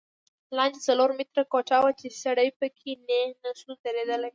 لاندې څلور متره کوټه وه چې سړی په کې نیغ نه شو درېدلی.